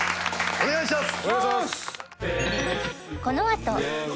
お願いします！